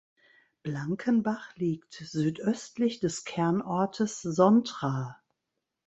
Blankenbach liegt südöstlich des Kernortes Sontra.